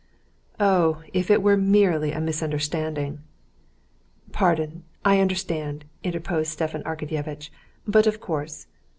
"Oh, if it were merely a misunderstanding!..." "Pardon, I understand," interposed Stepan Arkadyevitch. "But of course....